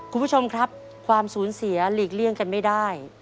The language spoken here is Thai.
คุณผู้ชมครับความสูญเสียหลีกเลี่ยงกันไม่ได้